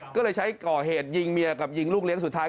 ก็เลยใช้ก่อเหตุยิงเมียกับยิงลูกเลี้ยงสุดท้าย